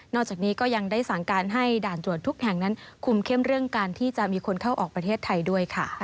จากนี้ก็ยังได้สั่งการให้ด่านตรวจทุกแห่งนั้นคุมเข้มเรื่องการที่จะมีคนเข้าออกประเทศไทยด้วยค่ะ